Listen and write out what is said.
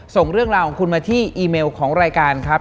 ส่งเรื่องราวของคุณมาที่อีเมลของรายการครับ